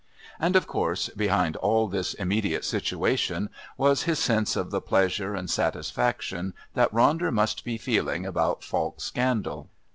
And, of course, behind all this immediate situation was his sense of the pleasure and satisfaction that Ronder must be feeling about Falk's scandal.